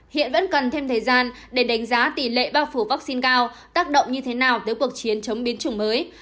hiện vẫn cần thêm thời gian để đánh giá tỷ lệ bao phủ vaccine cao tác động như thế nào tới cuộc chiến chống biến chủng mới